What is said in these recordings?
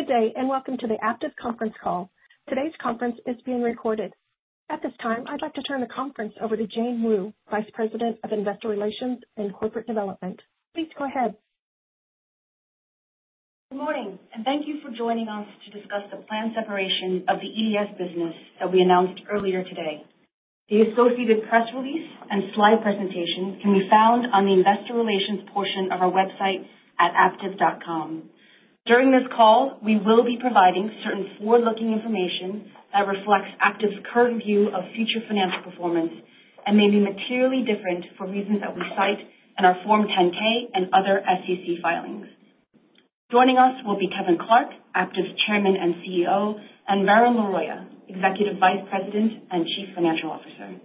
Good day, and welcome to the Aptiv conference call. Today's conference is being recorded. At this time, I'd like to turn the conference over to Jane Wu, Vice President of Investor Relations and Corporate Development. Please go ahead. Good morning, and thank you for joining us to discuss the planned separation of the EDS business that we announced earlier today. The associated press release and slide presentation can be found on the Investor Relations portion of our website at aptiv.com. During this call, we will be providing certain forward-looking information that reflects Aptiv's current view of future financial performance and may be materially different for reasons that we cite in our Form 10-K and other SEC filings. Joining us will be Kevin Clark, Aptiv's Chairman and CEO, and Varun Laroyia, Executive Vice President and Chief Financial Officer.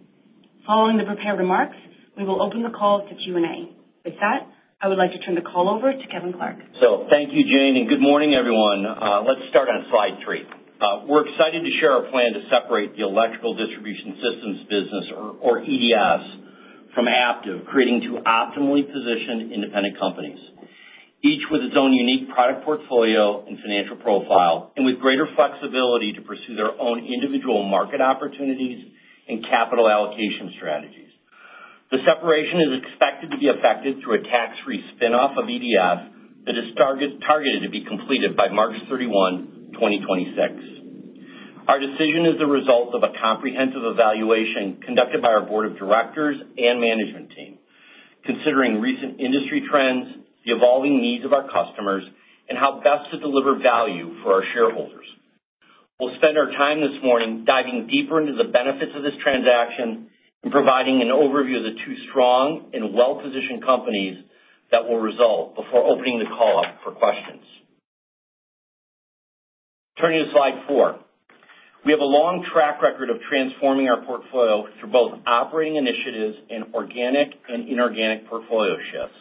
Following the prepared remarks, we will open the call to Q&A. With that, I would like to turn the call over to Kevin Clark. Thank you, Jane, and good morning, everyone. Let's start on slide three. We're excited to share our plan to separate the Electrical Distribution Systems business, or EDS, from Aptiv, creating two optimally positioned independent companies, each with its own unique product portfolio and financial profile, and with greater flexibility to pursue their own individual market opportunities and capital allocation strategies. The separation is expected to be effective through a tax-free spinoff of EDS that is targeted to be completed by March 31, 2026. Our decision is the result of a comprehensive evaluation conducted by our Board of Directors and management team, considering recent industry trends, the evolving needs of our customers, and how best to deliver value for our shareholders. We'll spend our time this morning diving deeper into the benefits of this transaction and providing an overview of the two strong and well-positioned companies that will result before opening the call up for questions. Turning to slide four, we have a long track record of transforming our portfolio through both operating initiatives and organic and inorganic portfolio shifts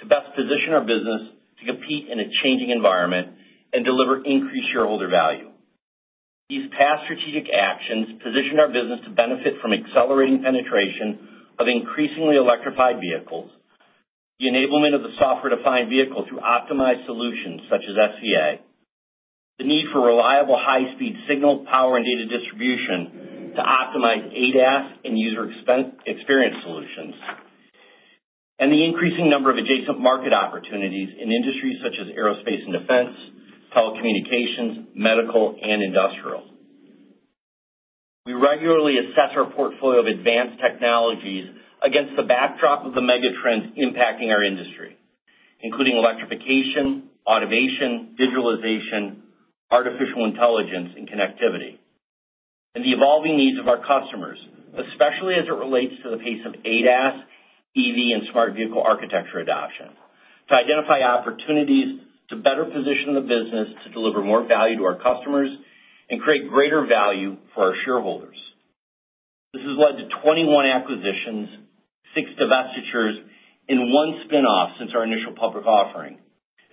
to best position our business to compete in a changing environment and deliver increased shareholder value. These past strategic actions positioned our business to benefit from accelerating penetration of increasingly electrified vehicles, the enablement of the software-defined vehicle through optimized solutions such as SVA, the need for reliable high-speed signal power and data distribution to optimize ADAS and user experience solutions, and the increasing number of adjacent market opportunities in industries such as aerospace and defense, telecommunications, medical, and industrial. We regularly assess our portfolio of advanced technologies against the backdrop of the megatrends impacting our industry, including electrification, automation, digitalization, artificial intelligence, and connectivity, and the evolving needs of our customers, especially as it relates to the pace of ADAS, EV, and Smart Vehicle Architecture adoption, to identify opportunities to better position the business to deliver more value to our customers and create greater value for our shareholders. This has led to 21 acquisitions, six divestitures, and one spinoff since our initial public offering,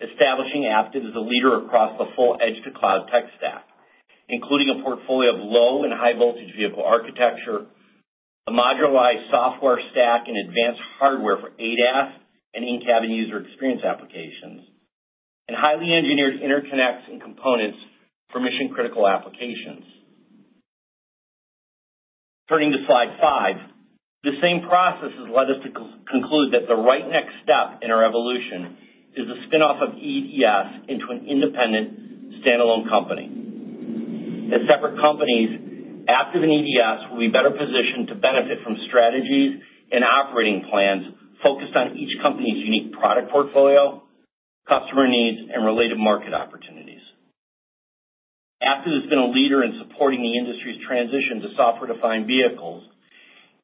establishing Aptiv as a leader across the full edge-to-cloud tech stack, including a portfolio of low and high-voltage vehicle architecture, a modularized software stack and advanced hardware for ADAS and in-cabin user experience applications, and highly engineered interconnects and components for mission-critical applications. Turning to slide five, the same process has led us to conclude that the right next step in our evolution is the spin-off of EDS into an independent standalone company. As separate companies, Aptiv and EDS will be better positioned to benefit from strategies and operating plans focused on each company's unique product portfolio, customer needs, and related market opportunities. Aptiv has been a leader in supporting the industry's transition to software-defined vehicles,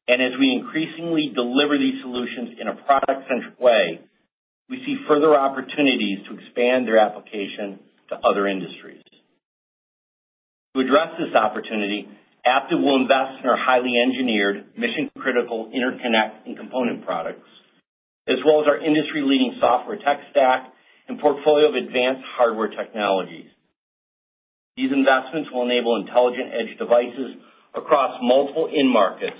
and as we increasingly deliver these solutions in a product-centric way, we see further opportunities to expand their application to other industries. To address this opportunity, Aptiv will invest in our highly engineered, mission-critical interconnect and component products, as well as our industry-leading software tech stack and portfolio of advanced hardware technologies. These investments will enable intelligent edge devices across multiple end markets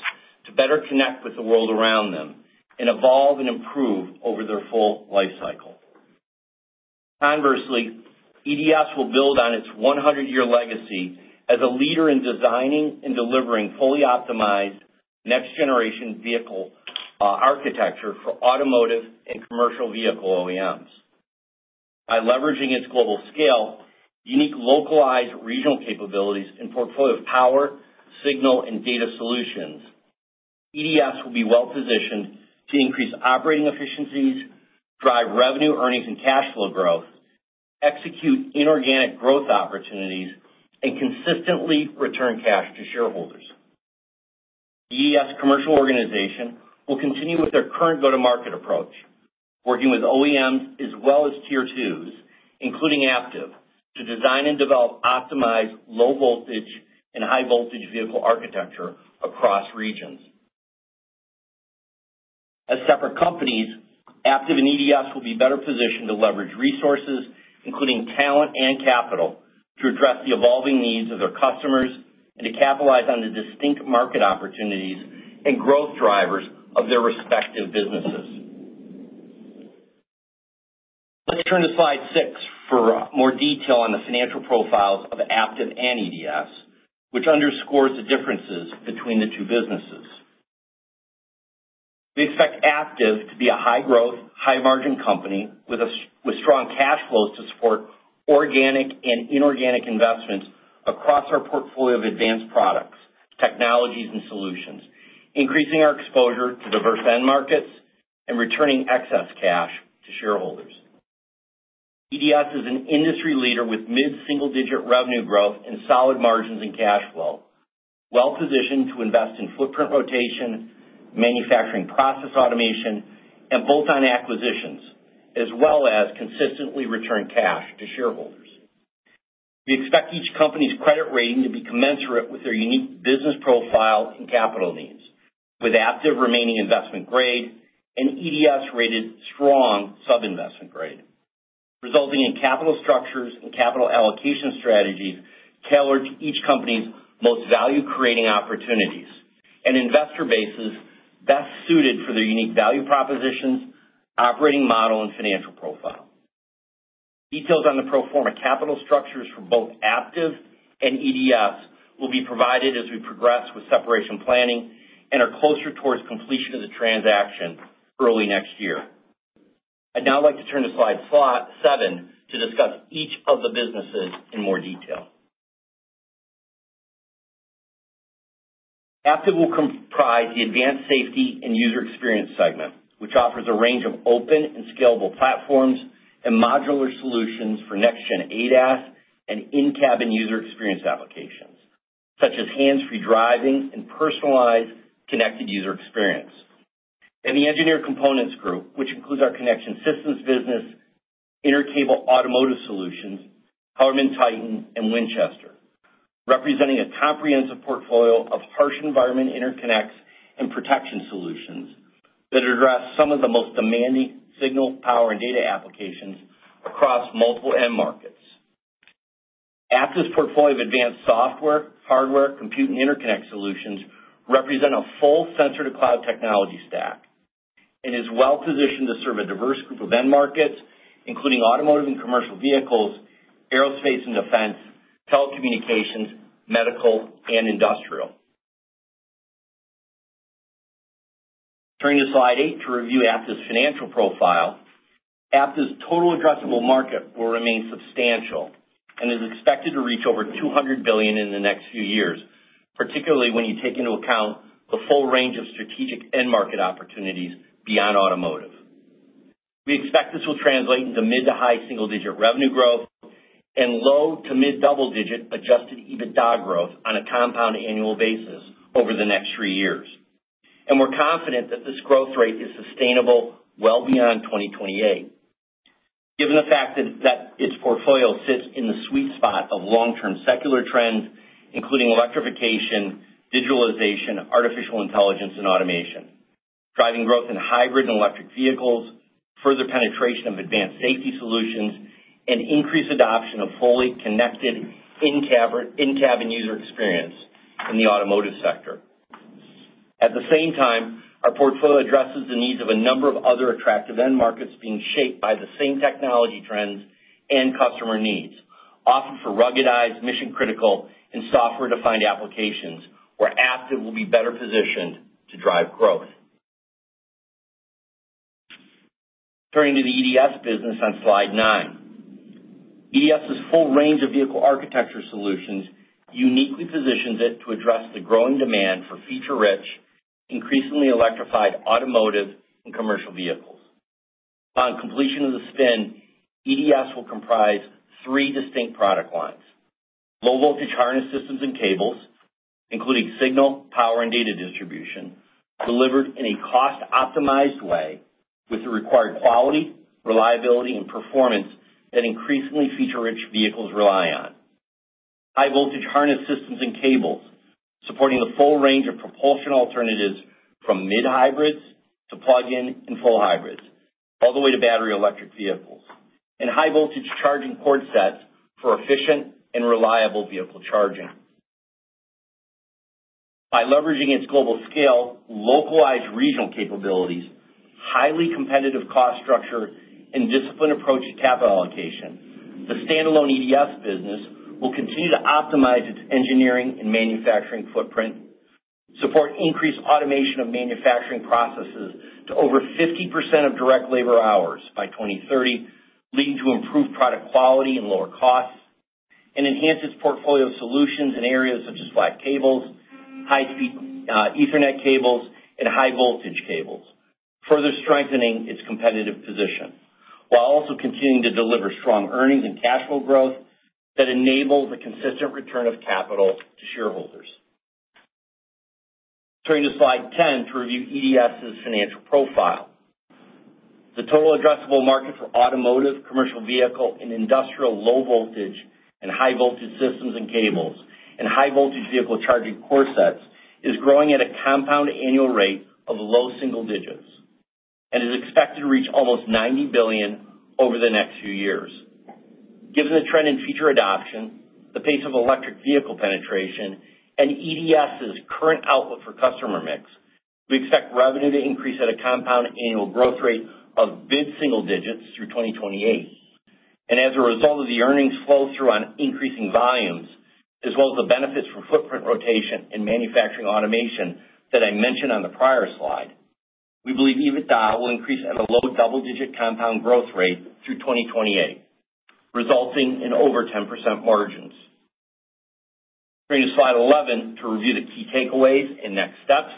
to better connect with the world around them and evolve and improve over their full lifecycle. Conversely, EDS will build on its 100-year legacy as a leader in designing and delivering fully optimized next-generation vehicle architecture for automotive and commercial vehicle OEMs. By leveraging its global scale, unique localized regional capabilities, and portfolio of power, signal, and data solutions, EDS will be well-positioned to increase operating efficiencies, drive revenue, earnings, and cash flow growth, execute inorganic growth opportunities, and consistently return cash to shareholders. EDS commercial organization will continue with their current go-to-market approach, working with OEMs as well as Tier 2s, including Aptiv, to design and develop optimized low-voltage and high-voltage vehicle architecture across regions. As separate companies, Aptiv and EDS will be better positioned to leverage resources, including talent and capital, to address the evolving needs of their customers and to capitalize on the distinct market opportunities and growth drivers of their respective businesses. Let's turn to slide six for more detail on the financial profiles of Aptiv and EDS, which underscores the differences between the two businesses. We expect Aptiv to be a high-growth, high-margin company with strong cash flows to support organic and inorganic investments across our portfolio of advanced products, technologies, and solutions, increasing our exposure to diverse end markets and returning excess cash to shareholders. EDS is an industry leader with mid-single-digit revenue growth and solid margins and cash flow, well-positioned to invest in footprint rotation, manufacturing process automation, and bolt-on acquisitions, as well as consistently return cash to shareholders. We expect each company's credit rating to be commensurate with their unique business profile and capital needs, with Aptiv remaining investment grade and EDS rated strong sub-investment grade, resulting in capital structures and capital allocation strategies tailored to each company's most value-creating opportunities and investor bases best suited for their unique value propositions, operating model, and financial profile. Details on the pro forma capital structures for both Aptiv and EDS will be provided as we progress with separation planning and are closer towards completion of the transaction early next year. I'd now like to turn to slide seven to discuss each of the businesses in more detail. Aptiv will comprise the Advanced Safety and User Experience segment, which offers a range of open and scalable platforms and modular solutions for next-gen ADAS and in-cabin user experience applications, such as hands-free driving and personalized connected user experience, and the Engineered Components Group, which includes our Connection Systems business, Intercable Automotive Solutions, HellermannTyton, and Winchester, representing a comprehensive portfolio of harsh environment interconnects and protection solutions that address some of the most demanding signal, power, and data applications across multiple end markets. Aptiv's portfolio of advanced software, hardware, compute, and interconnect solutions represent a full sensor-to-cloud technology stack and is well-positioned to serve a diverse group of end markets, including automotive and commercial vehicles, aerospace and defense, telecommunications, medical, and industrial. Turning to slide eight to review Aptiv's financial profile, Aptiv's total addressable market will remain substantial and is expected to reach over $200 billion in the next few years, particularly when you take into account the full range of strategic end market opportunities beyond automotive. We expect this will translate into mid- to high single-digit revenue growth and low- to mid-double-digit adjusted EBITDA growth on a compound annual basis over the next three years, and we're confident that this growth rate is sustainable well beyond 2028, given the fact that its portfolio sits in the sweet spot of long-term secular trends, including electrification, digitalization, artificial intelligence, and automation, driving growth in hybrid and electric vehicles, further penetration of advanced safety solutions, and increased adoption of fully connected in-cabin user experience in the automotive sector. At the same time, our portfolio addresses the needs of a number of other attractive end markets being shaped by the same technology trends and customer needs, often for ruggedized, mission-critical, and software-defined applications where Aptiv will be better positioned to drive growth. Turning to the EDS business on slide nine, EDS's full range of vehicle architecture solutions uniquely positions it to address the growing demand for feature-rich, increasingly electrified automotive and commercial vehicles. Upon completion of the spin, EDS will comprise three distinct product lines: low-voltage harness systems and cables, including signal, power, and data distribution, delivered in a cost-optimized way with the required quality, reliability, and performance that increasingly feature-rich vehicles rely on, high-voltage harness systems and cables, supporting the full range of propulsion alternatives from mild hybrids to plug-in and full hybrids, all the way to battery electric vehicles, and high-voltage charging cord sets for efficient and reliable vehicle charging. By leveraging its global scale, localized regional capabilities, highly competitive cost structure, and disciplined approach to capital allocation, the standalone EDS business will continue to optimize its engineering and manufacturing footprint, support increased automation of manufacturing processes to over 50% of direct labor hours by 2030, leading to improved product quality and lower costs, and enhance its portfolio of solutions in areas such as flat cables, high-speed Ethernet cables, and high-voltage cables, further strengthening its competitive position while also continuing to deliver strong earnings and cash flow growth that enable the consistent return of capital to shareholders. Turning to slide 10 to review EDS's financial profile, the total addressable market for automotive, commercial vehicle, and industrial low-voltage and high-voltage systems and cables, and high-voltage vehicle charging cord sets is growing at a compound annual rate of low single digits and is expected to reach almost $90 billion over the next few years. Given the trend in feature adoption, the pace of electric vehicle penetration, and EDS's current outlook for customer mix, we expect revenue to increase at a compound annual growth rate of mid-single digits through 2028. And as a result of the earnings flow-through on increasing volumes, as well as the benefits from footprint rotation and manufacturing automation that I mentioned on the prior slide, we believe EBITDA will increase at a low double-digit compound growth rate through 2028, resulting in over 10% margins. Turning to slide 11 to review the key takeaways and next steps,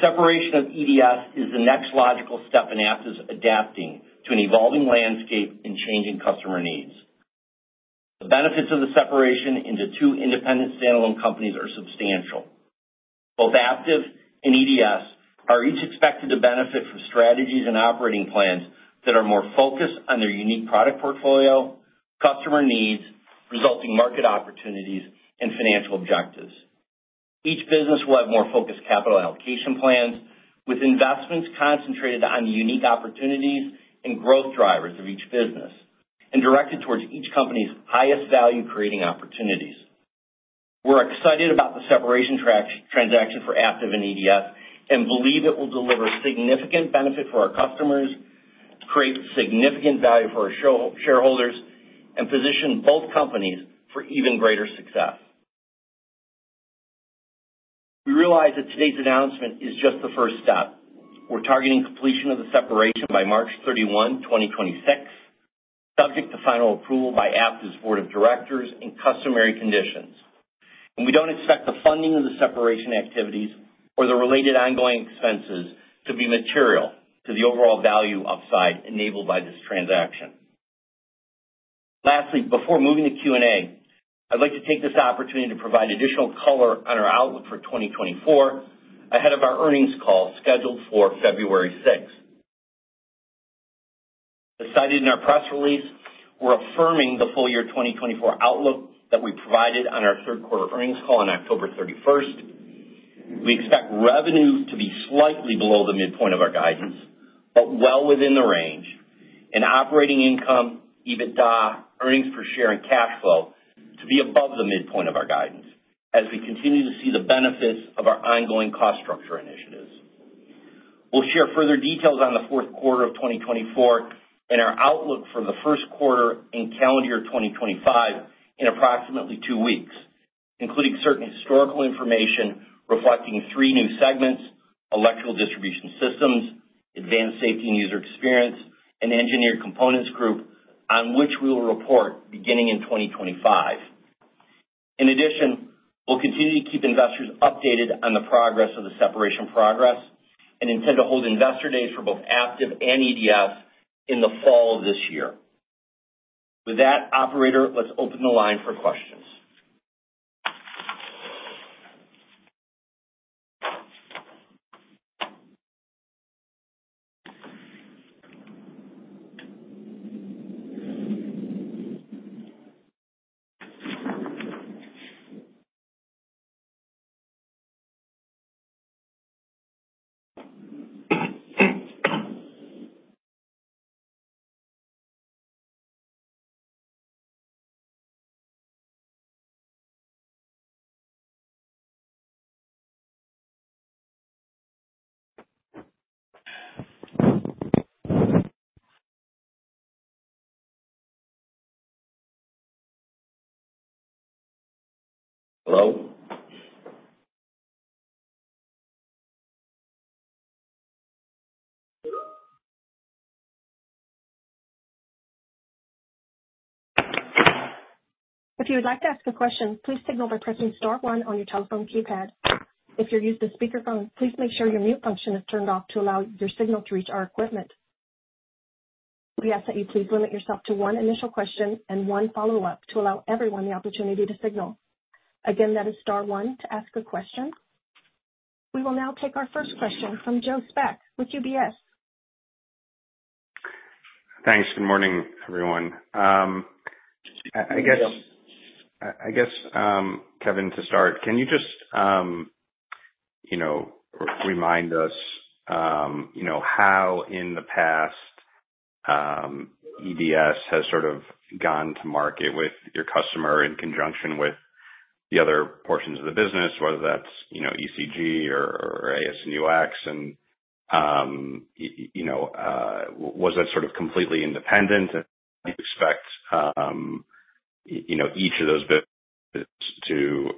separation of EDS is the next logical step in Aptiv's adapting to an evolving landscape and changing customer needs. The benefits of the separation into two independent standalone companies are substantial. Both Aptiv and EDS are each expected to benefit from strategies and operating plans that are more focused on their unique product portfolio, customer needs, resulting market opportunities, and financial objectives. Each business will have more focused capital allocation plans with investments concentrated on the unique opportunities and growth drivers of each business and directed towards each company's highest value-creating opportunities. We're excited about the separation transaction for Aptiv and EDS and believe it will deliver significant benefit for our customers, create significant value for our shareholders, and position both companies for even greater success. We realize that today's announcement is just the first step. We're targeting completion of the separation by March 31, 2026, subject to final approval by Aptiv's Board of Directors and customary conditions, and we don't expect the funding of the separation activities or the related ongoing expenses to be material to the overall value upside enabled by this transaction. Lastly, before moving to Q&A, I'd like to take this opportunity to provide additional color on our outlook for 2024 ahead of our earnings call scheduled for February 6th. As cited in our press release, we're affirming the full year 2024 outlook that we provided on our third-quarter earnings call on October 31st. We expect revenue to be slightly below the midpoint of our guidance, but well within the range, and operating income, EBITDA, earnings per share, and cash flow to be above the midpoint of our guidance as we continue to see the benefits of our ongoing cost structure initiatives. We'll share further details on the fourth quarter of 2024 and our outlook for the first quarter and calendar year 2025 in approximately two weeks, including certain historical information reflecting three new segments: Electrical Distribution Systems, Advanced Safety and User Experience, and Engineered Components Group, on which we will report beginning in 2025. In addition, we'll continue to keep investors updated on the progress of the separation and intend to hold investor days for both Aptiv and EDS in the fall of this year. With that, operator, let's open the line for questions. Hello? If you would like to ask a question, please signal by pressing star one on your telephone keypad. If you're used to speakerphone, please make sure your mute function is turned off to allow your signal to reach our equipment. We ask that you please limit yourself to one initial question and one follow-up to allow everyone the opportunity to signal. Again, that is star one to ask a question. We will now take our first question from Joe Spak with UBS. Thanks. Good morning, everyone. I guess, Kevin, to start, can you just remind us how in the past EDS has sort of gone to market with your customer in conjunction with the other portions of the business, whether that's ECG or ASUX? And was that sort of completely independent? And do you expect each of those businesses to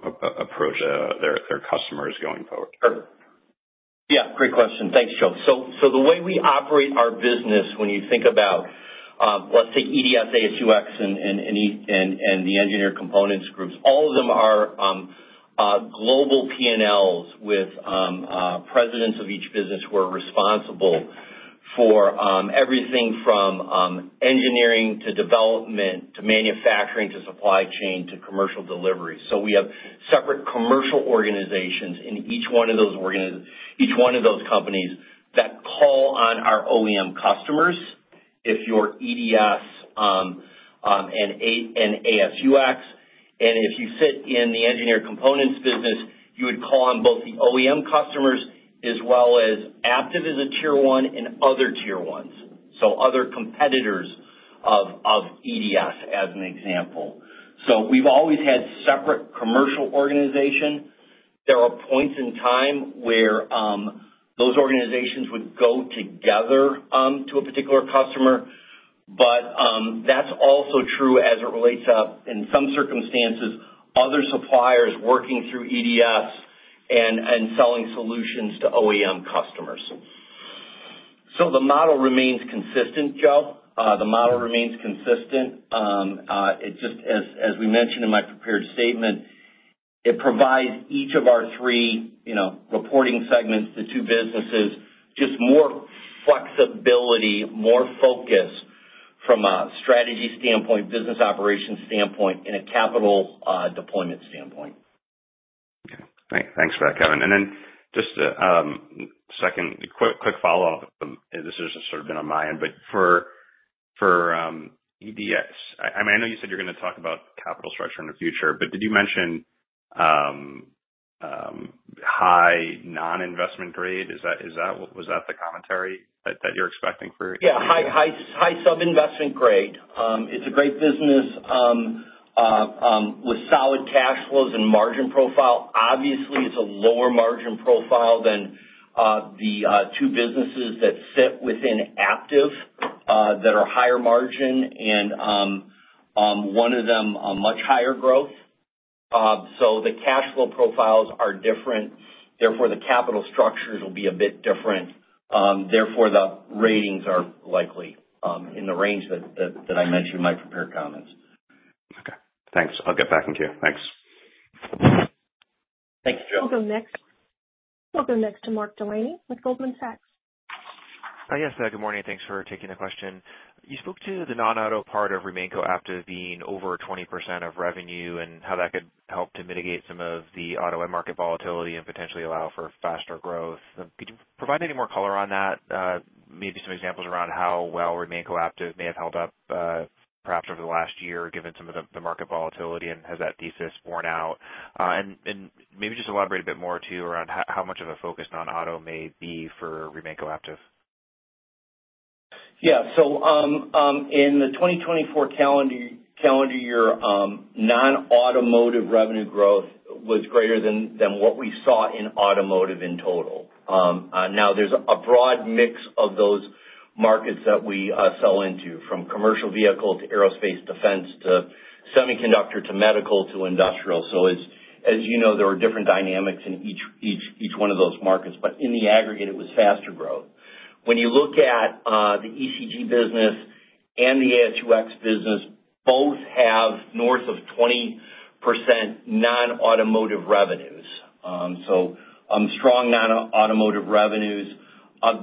approach their customers going forward? Yeah. Great question. Thanks, Joe. So the way we operate our business, when you think about, let's say, EDS, ASUX, and the Engineered Components Group, all of them are global P&Ls with presidents of each business who are responsible for everything from engineering to development to manufacturing to supply chain to commercial delivery. So we have separate commercial organizations in each one of those companies that call on our OEM customers, if you're EDS and ASUX. And if you sit in the Engineered Components business, you would call on both the OEM customers as well as Aptiv as a Tier 1 and other Tier 1s, so other competitors of EDS, as an example. So we've always had separate commercial organizations. There are points in time where those organizations would go together to a particular customer. But that's also true as it relates to, in some circumstances, other suppliers working through EDS and selling solutions to OEM customers. So the model remains consistent, Joe. The model remains consistent. Just as we mentioned in my prepared statement, it provides each of our three reporting segments, the two businesses, just more flexibility, more focus from a strategy standpoint, business operations standpoint, and a capital deployment standpoint. Okay. Thanks for that, Kevin. And then just a second quick follow-up. This has sort of been on my end, but for EDS, I mean, I know you said you're going to talk about capital structure in the future, but did you mention high non-investment grade? Was that the commentary that you're expecting for? Yeah. High sub-investment grade. It's a great business with solid cash flows and margin profile. Obviously, it's a lower margin profile than the two businesses that sit within Aptiv that are higher margin, and one of them much higher growth. So the cash flow profiles are different. Therefore, the capital structures will be a bit different. Therefore, the ratings are likely in the range that I mentioned in my prepared comments. Okay. Thanks. I'll get back in here. Thanks. Thank you, Joe. We'll go next to Mark Delaney with Goldman Sachs. Hi, yes. Good morning. Thanks for taking the question. You spoke to the non-auto part of Aptiv being over 20% of revenue and how that could help to mitigate some of the auto and market volatility and potentially allow for faster growth. Could you provide any more color on that? Maybe some examples around how well Aptiv may have held up perhaps over the last year given some of the market volatility and has that thesis worn out?, and maybe just elaborate a bit more too around how much of a focus non-auto may be for Aptiv. Yeah. So in the 2024 calendar year, non-automotive revenue growth was greater than what we saw in automotive in total. Now, there's a broad mix of those markets that we sell into, from commercial vehicle to aerospace, defense to semiconductor to medical to industrial. So as you know, there were different dynamics in each one of those markets. But in the aggregate, it was faster growth. When you look at the ECG business and the ASUX business, both have north of 20% non-automotive revenues. So strong non-automotive revenues.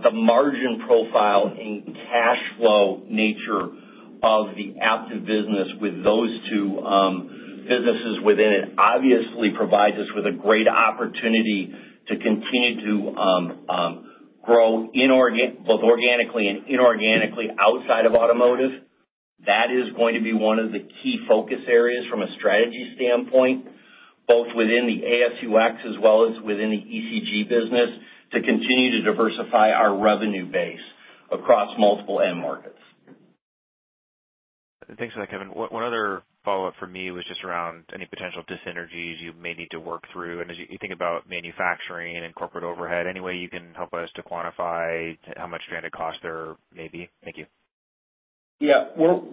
The margin profile and cash flow nature of the Aptiv business with those two businesses within it obviously provides us with a great opportunity to continue to grow both organically and inorganically outside of automotive. That is going to be one of the key focus areas from a strategy standpoint, both within the ASUX as well as within the ECG business, to continue to diversify our revenue base across multiple end markets. Thanks for that, Kevin. One other follow-up for me was just around any potential dis-synergies you may need to work through, and as you think about manufacturing and corporate overhead, any way you can help us to quantify how much stranded cost there may be? Thank you. Yeah. We'll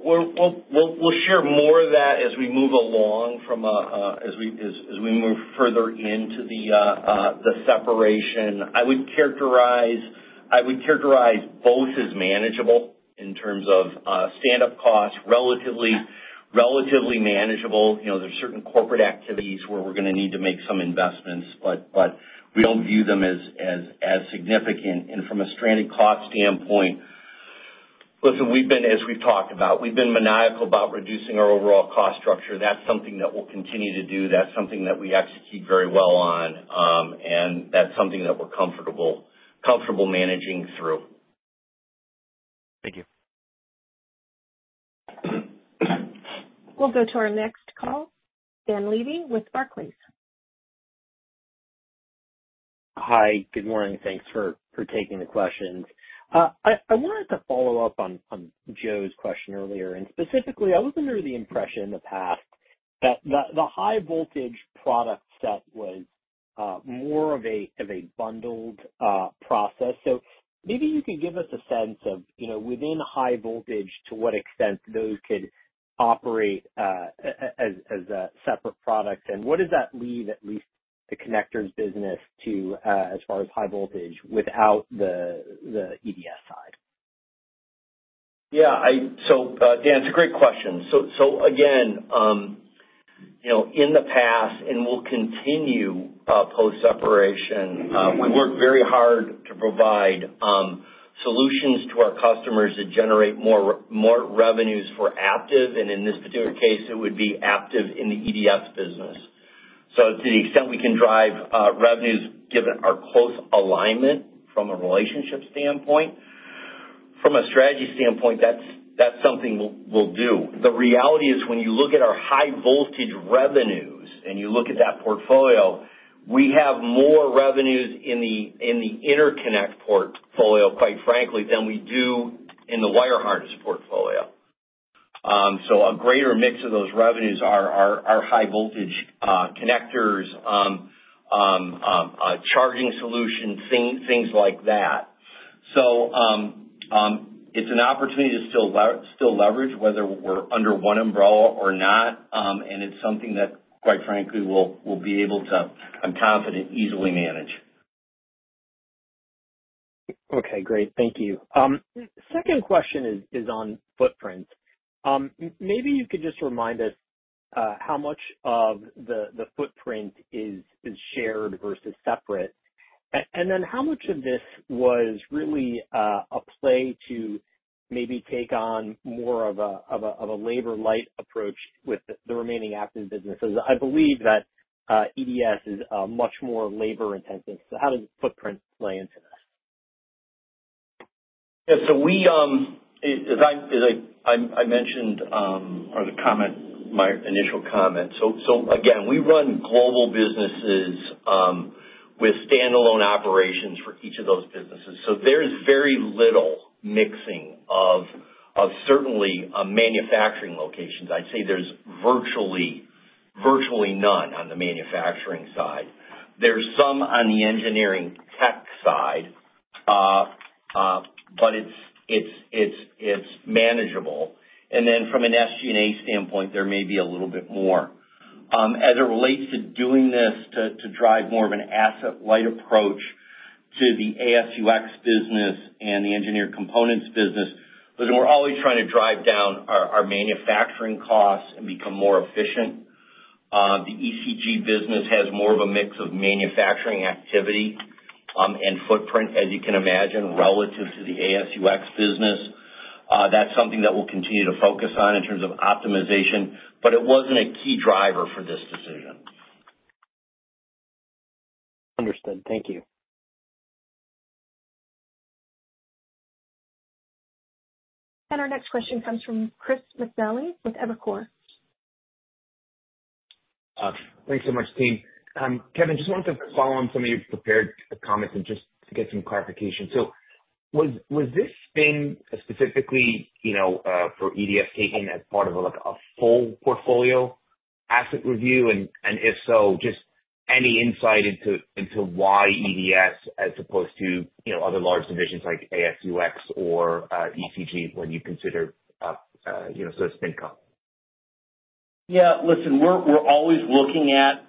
share more of that as we move along, as we move further into the separation. I would characterize both as manageable in terms of stand-up cost, relatively manageable. There's certain corporate activities where we're going to need to make some investments, but we don't view them as significant. And from a stranded cost standpoint, listen, as we've talked about, we've been maniacal about reducing our overall cost structure. That's something that we'll continue to do. That's something that we execute very well on. And that's something that we're comfortable managing through. Thank you. We'll go to our next call. Dan Levy with Barclays. Hi. Good morning. Thanks for taking the questions. I wanted to follow up on Joe's question earlier. And specifically, I was under the impression in the past that the high-voltage product set was more of a bundled process. So maybe you could give us a sense of, within high voltage, to what extent those could operate as a separate product. What does that leave at least the connectors business to as far as high voltage without the EDS side? Yeah. So Dan, it's a great question. So again, in the past, and we'll continue post-separation, we worked very hard to provide solutions to our customers that generate more revenues for Aptiv. And in this particular case, it would be Aptiv in the EDS business. So to the extent we can drive revenues given our close alignment from a relationship standpoint, from a strategy standpoint, that's something we'll do. The reality is when you look at our high-voltage revenues and you look at that portfolio, we have more revenues in the interconnect portfolio, quite frankly, than we do in the wire harness portfolio. So a greater mix of those revenues are high-voltage connectors, charging solutions, things like that. So it's an opportunity to still leverage whether we're under one umbrella or not. And it's something that, quite frankly, we'll be able to, I'm confident, easily manage. Okay. Great. Thank you. Second question is on footprint. Maybe you could just remind us how much of the footprint is shared versus separate. And then how much of this was really a play to maybe take on more of a labor-light approach with the remaining Aptiv businesses? I believe that EDS is much more labor-intensive. So how does the footprint play into this? Yeah. So as I mentioned or the initial comment, so again, we run global businesses with stand-alone operations for each of those businesses. So there's very little mixing of certainly manufacturing locations. I'd say there's virtually none on the manufacturing side. There's some on the engineering tech side, but it's manageable. And then from an SG&A standpoint, there may be a little bit more. As it relates to doing this to drive more of an asset-light approach to the ASUX business and the Engineered Components business, listen, we're always trying to drive down our manufacturing costs and become more efficient. The ECG business has more of a mix of manufacturing activity and footprint, as you can imagine, relative to the ASUX business. That's something that we'll continue to focus on in terms of optimization. But it wasn't a key driver for this decision. Understood. Thank you. And our next question comes from Chris McNally with Evercore. Thanks so much, team. Kevin, just wanted to follow on some of your prepared comments and just to get some clarification. So was this thing specifically for EDS taken as part of a full portfolio asset review? And if so, just any insight into why EDS as opposed to other large divisions like ASUX or ECG when you consider sort of spinoff? Yeah. Listen, we're always looking at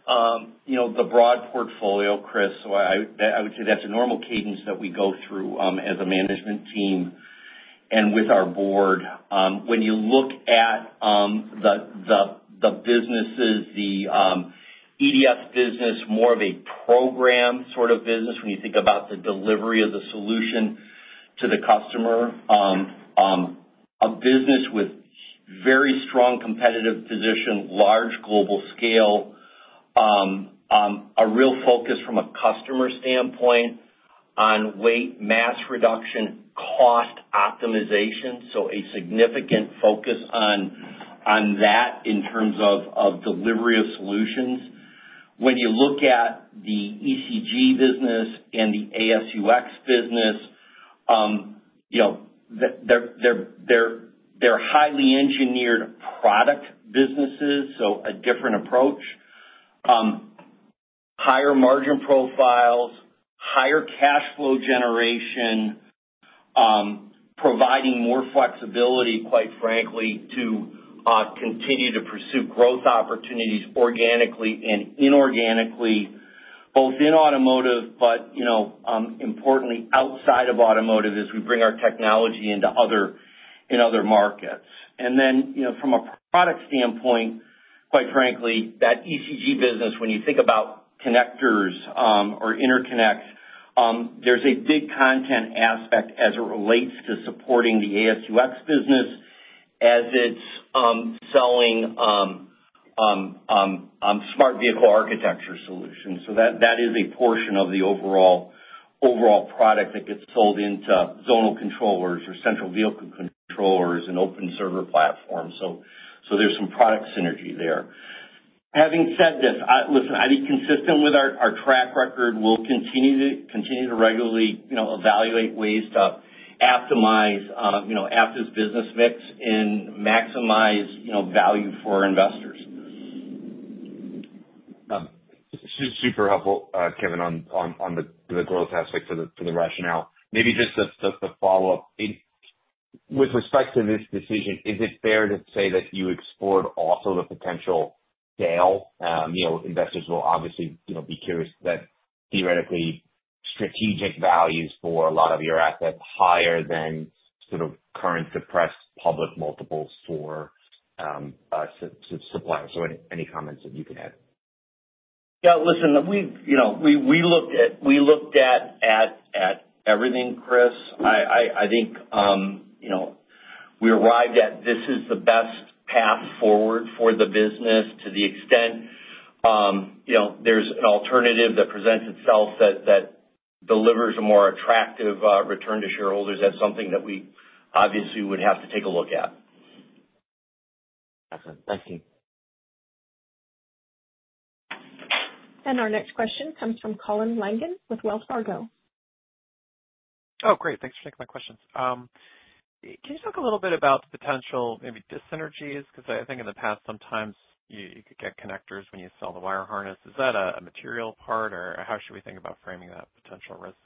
the broad portfolio, Chris. So I would say that's a normal cadence that we go through as a management team and with our Board. When you look at the businesses, the EDS business, more of a program sort of business when you think about the delivery of the solution to the customer, a business with very strong competitive position, large global scale, a real focus from a customer standpoint on weight, mass reduction, cost optimization. So a significant focus on that in terms of delivery of solutions. When you look at the ECG business and the ASUX business, they're highly engineered product businesses, so a different approach, higher margin profiles, higher cash flow generation, providing more flexibility, quite frankly, to continue to pursue growth opportunities organically and inorganically, both in automotive, but importantly, outside of automotive as we bring our technology into other markets. And then from a product standpoint, quite frankly, that ECG business, when you think about connectors or interconnects, there's a big content aspect as it relates to supporting the ASUX business as it's selling Smart Vehicle Architecture solutions. So that is a portion of the overall product that gets sold into zonal controllers or central vehicle controllers and open server platforms. So there's some product synergy there. Having said this, listen, I'd be consistent with our track record. We'll continue to regularly evaluate ways to optimize Aptiv's business mix and maximize value for investors. Super helpful, Kevin, on the growth aspect for the rationale. Maybe just the follow-up. With respect to this decision, is it fair to say that you explored also the potential sale? Investors will obviously be curious that theoretically, strategic values for a lot of your assets higher than sort of current suppressed public multiples for suppliers. So any comments that you can add? Yeah. Listen, we looked at everything, Chris. I think we arrived at this is the best path forward for the business. To the extent there's an alternative that presents itself that delivers a more attractive return to shareholders, that's something that we obviously would have to take a look at. Excellent. Thank you. And our next question comes from Colin Langan with Wells Fargo. Oh, great. Thanks for taking my questions. Can you talk a little bit about the potential maybe dis-synergies? Because I think in the past, sometimes you could get connectors when you sell the wire harness. Is that a material part, or how should we think about framing that potential risk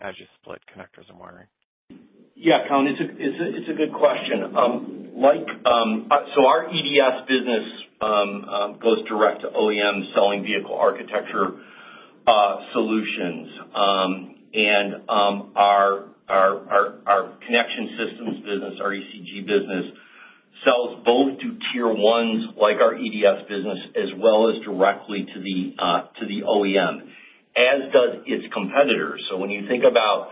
as you split connectors and wiring? Yeah, Colin, it's a good question. So our EDS business goes direct to OEMs selling vehicle architecture solutions. And our Connection Systems business, our ECG business, sells both to Tier 1s like our EDS business as well as directly to the OEM, as does its competitors. So when you think about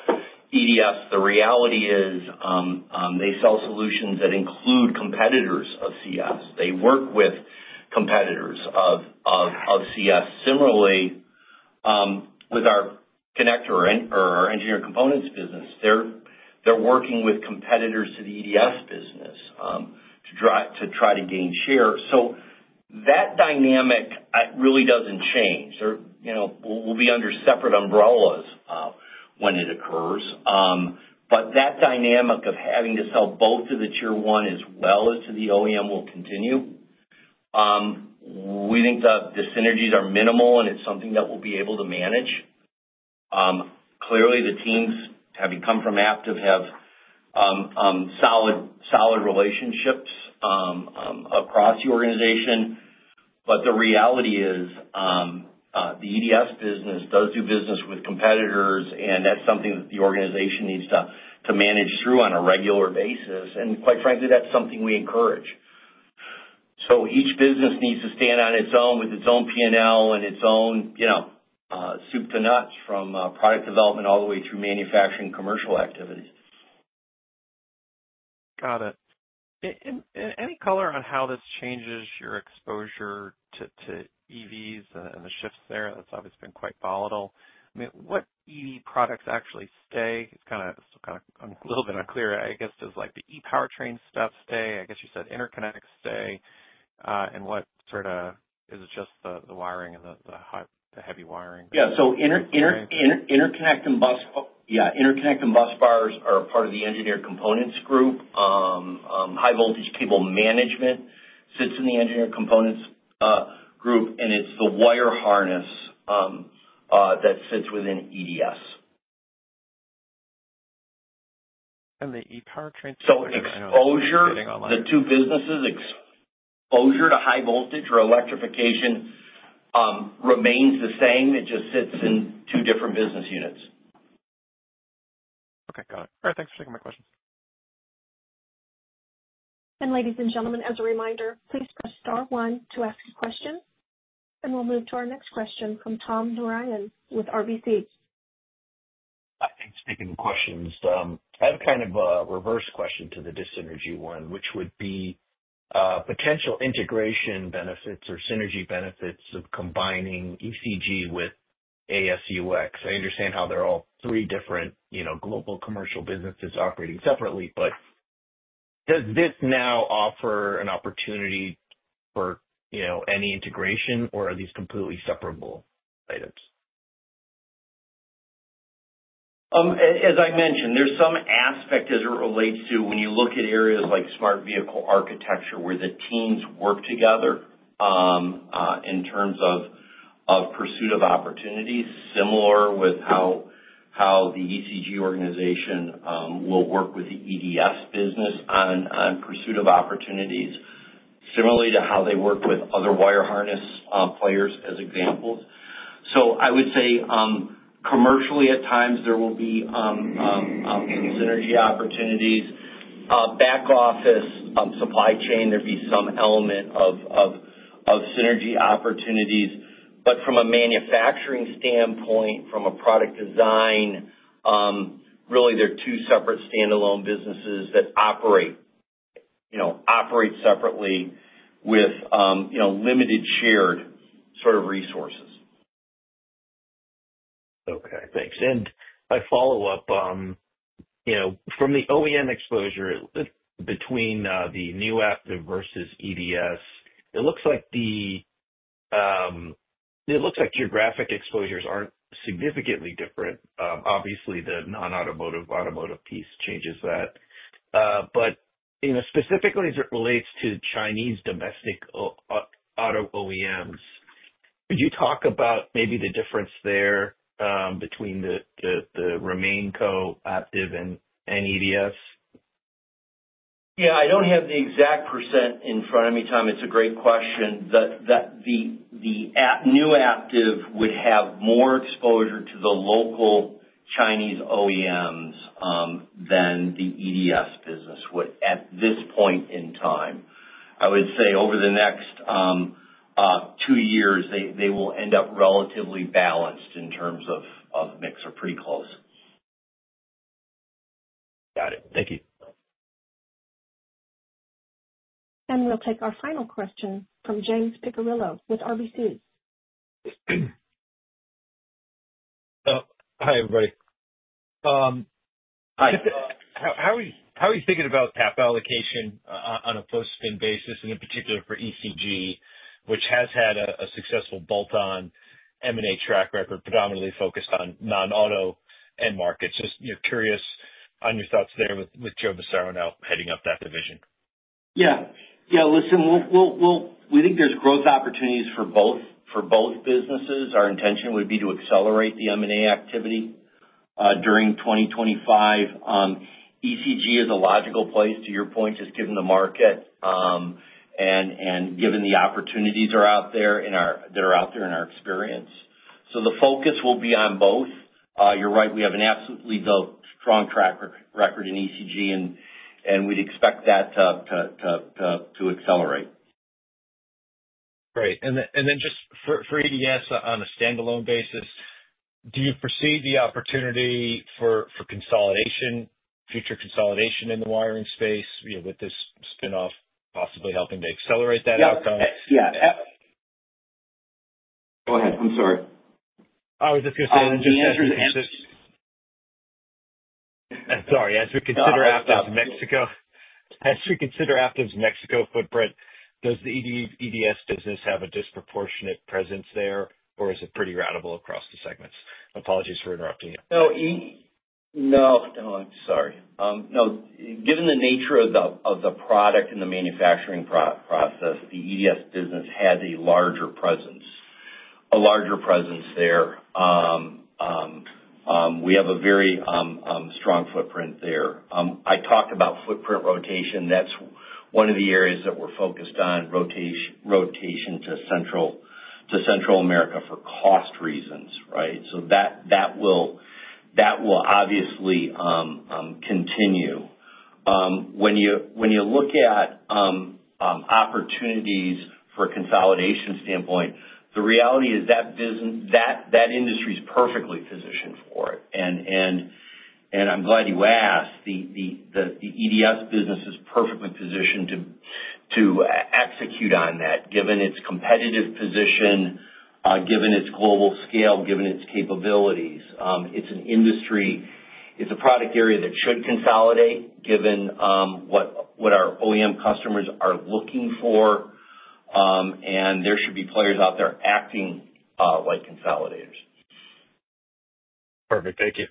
EDS, the reality is they sell solutions that include competitors of CS. They work with competitors of CS. Similarly, with our connector or our Engineered Components business, they're working with competitors to the EDS business to try to gain share. So that dynamic really doesn't change. We'll be under separate umbrellas when it occurs, but that dynamic of having to sell both to the Tier 1 as well as to the OEM will continue. We think the synergies are minimal, and it's something that we'll be able to manage. Clearly, the teams, having come from Aptiv, have solid relationships across the organization, but the reality is the EDS business does do business with competitors, and that's something that the organization needs to manage through on a regular basis, and quite frankly, that's something we encourage, so each business needs to stand on its own with its own P&L and its own soup to nuts from product development all the way through manufacturing commercial activity. Got it. Any color on how this changes your exposure to EVs and the shifts there? That's obviously been quite volatile. I mean, what EV products actually stay? It's kind of still kind of a little bit unclear. I guess does the ePowertrain stuff stay? I guess you said interconnects stay. And what sort of is it just the wiring and the heavy wiring? Yeah. So interconnect and bus bars are part of the Engineered Components Group. High-voltage cable management sits in the Engineered Components Group, and it's the wire harness that sits within EDS. And the ePowertrain? So exposure. The two businesses, exposure to high voltage or electrification remains the same. It just sits in two different business units. Okay. Got it. All right. Thanks for taking my questions. And ladies and gentlemen, as a reminder, please press star one to ask a question. And we'll move to our next question from Tom Narayan with RBC. I think speaking of questions, I have a kind of a reverse question to the dis-synergy one, which would be potential integration benefits or synergy benefits of combining ECG with ASUX. I understand how they're all three different global commercial businesses operating separately, but does this now offer an opportunity for any integration, or are these completely separable items? As I mentioned, there's some aspect as it relates to when you look at areas like Smart Vehicle Architecture where the teams work together in terms of pursuit of opportunities, similar with how the ECG organization will work with the EDS business on pursuit of opportunities, similarly to how they work with other wire harness players as examples. So I would say commercially, at times, there will be some synergy opportunities. Back office, supply chain, there'd be some element of synergy opportunities. But from a manufacturing standpoint, from a product design, really, they're two separate stand-alone businesses that operate separately with limited shared sort of resources. Okay. Thanks. And my follow-up, from the OEM exposure between the new Aptiv versus EDS, it looks like geographic exposures aren't significantly different. Obviously, the non-automotive automotive piece changes that. But specifically, as it relates to Chinese domestic auto OEMs, could you talk about maybe the difference there between the RemainCo Aptiv and EDS? Yeah. I don't have the exact percent in front of me, Tom. It's a great question. The new Aptiv would have more exposure to the local Chinese OEMs than the EDS business would at this point in time. I would say over the next two years, they will end up relatively balanced in terms of mix or pretty close. Got it. Thank you. And we'll take our final question from James Picariello with BNP Paribas. Hi, everybody. Hi. How are you thinking about cap allocation on a post-spin basis, and in particular for ECG, which has had a successful bolt-on M&A track record, predominantly focused on non-auto end markets? Just curious on your thoughts there with Joe Massaro now heading up that division. Yeah. Yeah. Listen, we think there's growth opportunities for both businesses. Our intention would be to accelerate the M&A activity during 2025. ECG is a logical place, to your point, just given the market and given the opportunities that are out there in our experience. So the focus will be on both. You're right. We have an absolutely strong track record in ECG, and we'd expect that to accelerate. Great. And then just for EDS on a stand-alone basis, do you foresee the opportunity for future consolidation in the wiring space with this spin-off possibly helping to accelerate that outcome? Yeah. Go ahead. I'm sorry. I was just going to say, as we consider Aptiv's Mexico footprint, does the EDS business have a disproportionate presence there, or is it pretty routable across the segments? Apologies for interrupting you. No. No, no. I'm sorry. No. Given the nature of the product and the manufacturing process, the EDS business has a larger presence there. We have a very strong footprint there. I talked about footprint rotation. That's one of the areas that we're focused on, rotation to Central America for cost reasons, right? So that will obviously continue. When you look at opportunities from a consolidation standpoint, the reality is that industry is perfectly positioned for it. I'm glad you asked. The EDS business is perfectly positioned to execute on that, given its competitive position, given its global scale, given its capabilities. It's a product area that should consolidate given what our OEM customers are looking for, and there should be players out there acting like consolidators. Perfect. Thank you.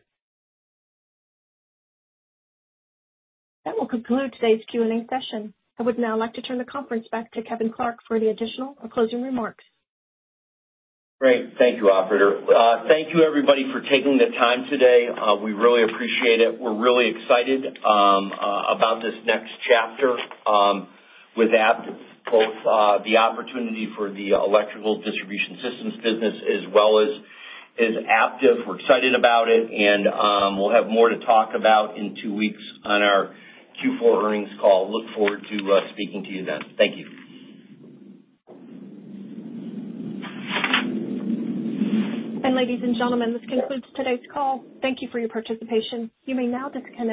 That will conclude today's Q&A session. I would now like to turn the conference back to Kevin Clark for the additional closing remarks. Great. Thank you, operator. Thank you, everybody, for taking the time today. We really appreciate it. We're really excited about this next chapter with Aptiv, both the opportunity for the electrical distribution systems business as well as Aptiv. We're excited about it, and we'll have more to talk about in two weeks on our Q4 earnings call. Look forward to speaking to you then. Thank you. Ladies and gentlemen, this concludes today's call. Thank you for your participation. You may now disconnect.